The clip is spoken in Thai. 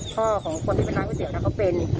พ่อของคนที่เป็นร้านก๋วเตี๋ยเขาเป็น